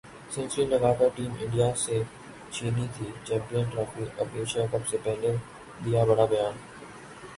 century لگا کر team India سے چھینی تھی چمپئنز ٹرافی ، اب ایشیا کپ سے پہلے دیا بڑا بیان